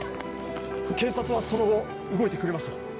警察はその後動いてくれましたか？